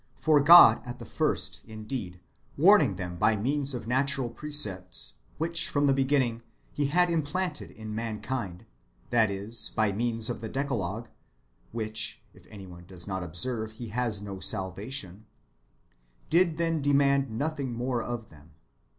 For God at the first, indeed, warning them by means of natural precepts, which from the beginning He had implanted in mankind, that is, by means of the Decalogue (which, if any one does not observe, he has no salvation), did then demand nothing more of them.